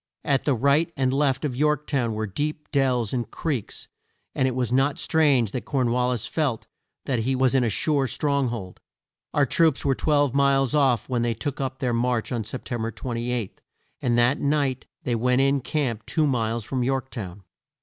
At the right and left of York town were deep dells and creeks, and it was not strange that Corn wal lis felt that he was in a sure strong hold. Our troops were twelve miles off when they took up their march on Sep tem ber 28, and that night they went in camp two miles from York town.